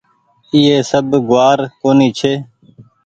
ايئي سب گوآر ڪونيٚ ڇي